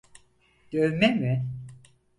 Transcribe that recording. Dövme mi?